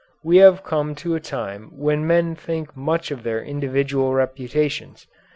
We have come to a time when men think much of their individual reputations.